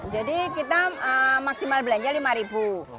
jadi kita maksimal belanja rp lima